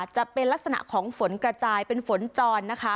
จะเป็นลักษณะของฝนกระจายเป็นฝนจรนะคะ